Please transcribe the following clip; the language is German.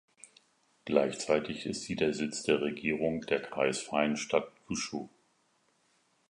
Gleichzeitig ist sie der Sitz der Regierung der kreisfreien Stadt Yushu.